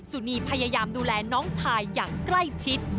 สุนีพยายามดูแลน้องชายอย่างใกล้ชิด